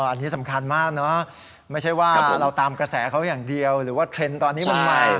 อันนี้สำคัญมากเนอะไม่ใช่ว่าเราตามกระแสเขาอย่างเดียวหรือว่าเทรนด์ตอนนี้มันใหม่